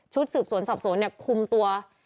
สืบสวนสอบสวนเนี่ยคุมตัว